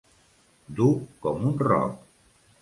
Dur com un roc.